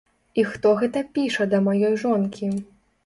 І хто гэта піша да маёй жонкі?